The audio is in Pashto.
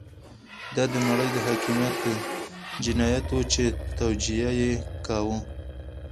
دا د نړۍ د حاکميت جنايت وو چې توجیه يې کاوه.